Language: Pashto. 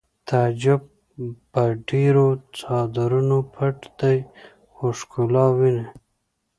تعجب په ډېرو څادرونو پټ دی خو ښکلا ویني